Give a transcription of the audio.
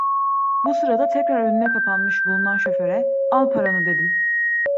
Bu sırada tekrar önüne kapanmış bulunan şoföre: "Al paranı!" dedim.